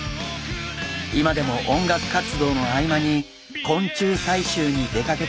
今でも音楽活動の合間に昆虫採集に出かけているそうです。